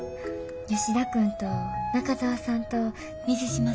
吉田君と中澤さんと水島さんと。